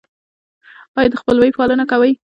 ایا د خپلوۍ پالنه کوئ؟